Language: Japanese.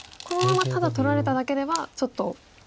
このままただ取られただけではちょっと。